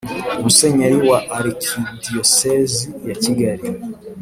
Musenyeri wa Arikidiyosezi ya Kigali